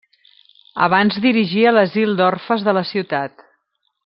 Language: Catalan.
Abans dirigia l'asil d'orfes de la ciutat.